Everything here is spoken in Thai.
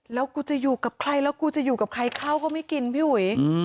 แล้วกูจะอยู่กับใครแล้วกูจะอยู่กับใครเข้าก็ไม่กินพี่อุ๋ย